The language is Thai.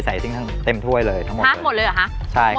ใส่ไอซิ่งทั้งเต็มถ้วยเลยทั้งหมดเลยทั้งหมดเลยเหรอคะใช่ครับผม